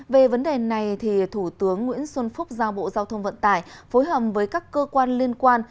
về vấn đề này thủ tướng nguyễn xuân phúc giao bộ giao thông vận tải phối hợp với các cơ quan liên quan